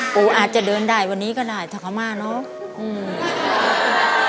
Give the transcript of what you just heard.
ปู่อาจจะเดินได้วันนี้ก็ได้ถ้าเขามาเนอะ